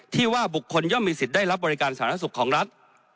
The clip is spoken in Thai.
ที่ว่าบุคคลย่อมมีสิทธิ์ได้รับบริการสาธารณสุขของรัฐ